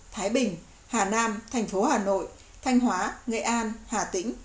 thái bình hà nam tp hà nội thanh hóa nghệ an hà tĩnh